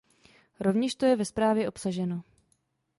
Rovněž to je ve zprávě obsaženo.